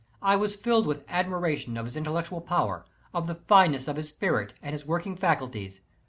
I was filled with admiration of his intellectual power, of the fineness of his spirit, and his working faculties.